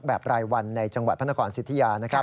แบบรายวันในจังหวัดพระนครสิทธิยา